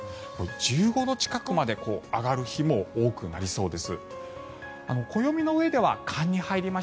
１５度近くまで上がる日も多くなりそうです。